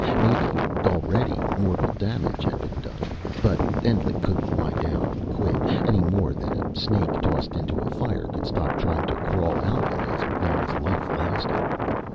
Maybe, already, mortal damage had been done. But Endlich couldn't lie down and quit, any more than a snake, tossed into a fire, could stop trying to crawl out of it, as long as life lasted.